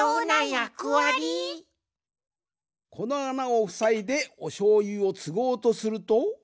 このあなをふさいでおしょうゆをつごうとすると。